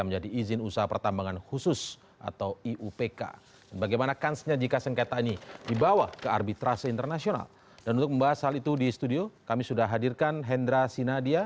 memiliki pendapatan dari heindra sinadia